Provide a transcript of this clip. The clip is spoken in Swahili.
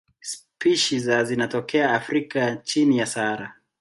Spishi za zinatokea Afrika chini ya Sahara.